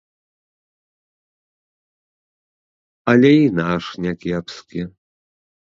Але і наш някепскі.